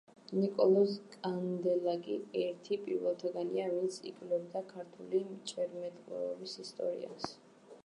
ნიკოლოზ კანდელაკი ერთი პირველთაგანია, ვინც იკვლევდა ქართული მჭერმეტყველების ისტორიას.